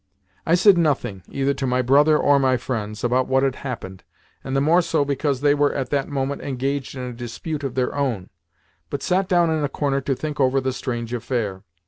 I said nothing, either to my brother or my friends, about what had happened (and the more so because they were at that moment engaged in a dispute of their own), but sat down in a corner to think over the strange affair.